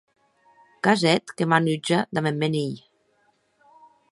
Qu’as hèt que m’anutja damb eth mèn hilh.